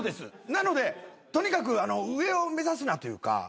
なのでとにかく上を目指すなというか。